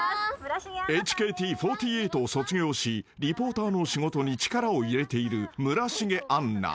［ＨＫＴ４８を卒業しリポーターの仕事に力を入れている］